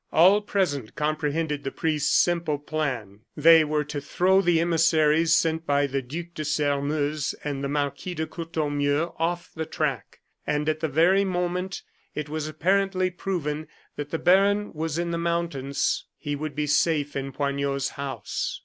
All present comprehended the priest's simple plan. They were to throw the emissaries sent by the Duc de Sairmeuse and the Marquis de Courtornieu off the track; and at the very moment it was apparently proven that the baron was in the mountains, he would be safe in Poignot's house.